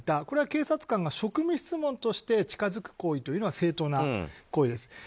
これは警察官が職務質問として近づく行為というのは正当な行為です。